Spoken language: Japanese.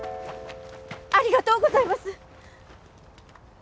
ありがとうございます！